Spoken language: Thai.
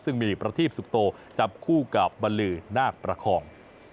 ซึ่งมีประทีปสุขโตจับคู่กับบรรลือนาคประคอง